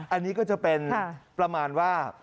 อันนี้ก็จะเป็นประมาณว่า